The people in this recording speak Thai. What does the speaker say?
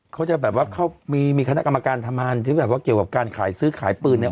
เขาจะแบบว่าเข้ามีคณะกรรมการทำมันที่ว่ากับว่ากานขายซื้อขายปืนใน